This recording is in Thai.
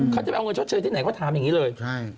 เขาจะไปเอาเงินชดเชยที่ไหนเขาถามอย่างนี้เลย